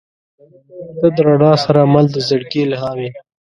• ته د رڼا سره مل د زړګي الهام یې.